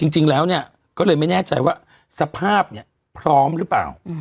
จริงแล้วเนี่ยก็เลยไม่แน่ใจว่าสภาพเนี่ยพร้อมหรือเปล่า